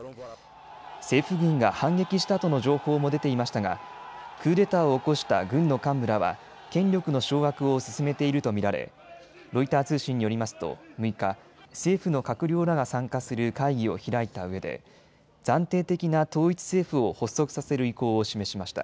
政府軍が反撃したとの情報も出ていましたがクーデターを起こした軍の幹部らは権力の掌握を進めていると見られロイター通信によりますと６日、政府の閣僚らが参加する会議を開いたうえで暫定的な統一政府を発足させる意向を示しました。